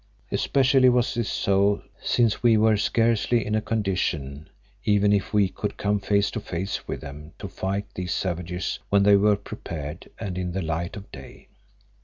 Especially was this so, since we were scarcely in a condition even if we could come face to face with them, to fight these savages when they were prepared and in the light of day.